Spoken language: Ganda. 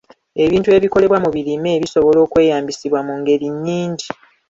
Ebintu ebikolebwa mu birime bisobola okweyambisibwa mu ngeri nnyingi.